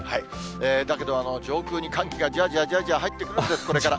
だけど、上空に寒気がじわじわじわ入ってくるんです、これから。